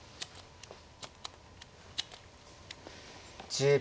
１０秒。